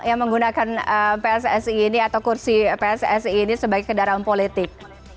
yang menggunakan pssi ini atau kursi pssi ini sebagai kendaraan politik